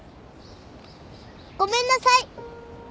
ごめんなさい。